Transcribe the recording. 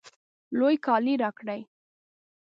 لوی کالی راکړئ